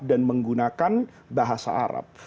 dan menggunakan bahasa arab